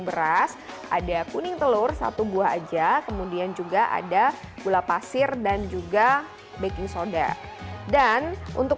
beras ada kuning telur satu buah aja kemudian juga ada gula pasir dan juga baking soda dan untuk